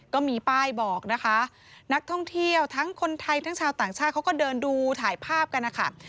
ก็มีป้ายบอกนะคะนักท่องเที่ยวทั้งคนไทยทั้งชาวต่างชาติเขาก็เดินดูถ่ายภาพกันนะคะ